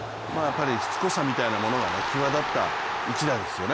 しつこさみたいなものが際だった一打ですよね。